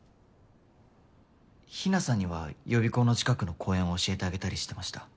日奈さんには予備校の近くの公園を教えてあげたりしてました。